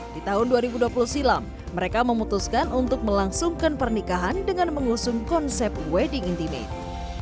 di tahun dua ribu dua puluh silam mereka memutuskan untuk melangsungkan pernikahan dengan mengusung konsep wedding intimate